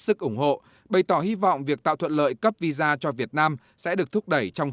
sức ủng hộ bày tỏ hy vọng việc tạo thuận lợi cấp visa cho việt nam sẽ được thúc đẩy trong